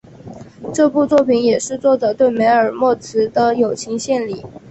这部作品也是作者对梅尔莫兹的友情献礼。